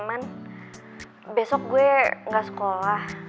cuman besok gue gak sekolah